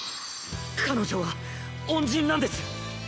彼女は恩人なんです